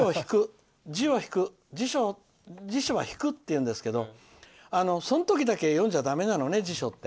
辞書は引くって言うんですけどその時だけ読んじゃだめなのね、辞書って。